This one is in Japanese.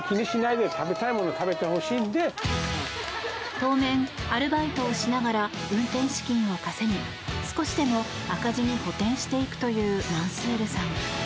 当面、アルバイトをしながら運転資金を稼ぎ少しでも赤字に補てんしていくというマンスールさん。